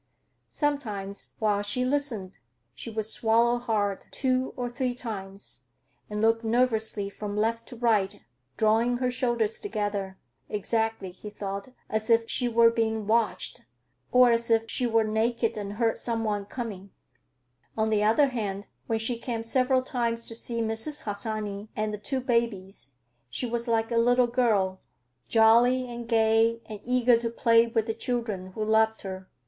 Sometimes, while she listened, she would swallow hard, two or three times, and look nervously from left to right, drawing her shoulders together. "Exactly," he thought, "as if she were being watched, or as if she were naked and heard some one coming." On the other hand, when she came several times to see Mrs. Harsanyi and the two babies, she was like a little girl, jolly and gay and eager to play with the children, who loved her.